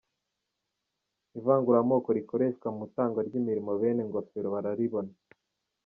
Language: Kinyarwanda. Ivanguramoko rikoreshwa mu itangwa ry’imirimo bene ngofero bararibona.